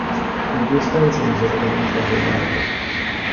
E due stanze miseramente arredate.